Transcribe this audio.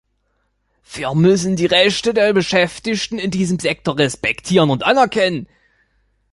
Wir müssten die Rechte der Beschäftigten in diesem Sektor respektieren und anerkennen.